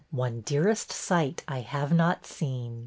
One dearest sight I have not seen.